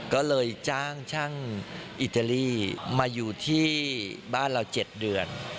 ก็เลยจ้างช่างอิตาลีมาอยู่ที่บ้านเรา๗เดือน